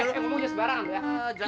eh eh eh ngomongnya sembarangan ya